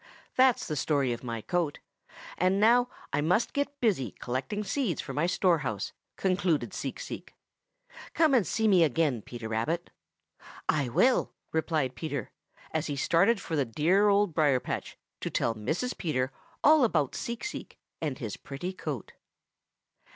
That's the story of my coat, and now I must get busy collecting seeds for my storehouse," concluded Seek Seek. "Come and see me again, Peter Rabbit." "I will," replied Peter, as he started for the dear Old Briar patch to tell Mrs. Peter all about Seek Seek and his pretty coat. XIII WHERE OLD MR.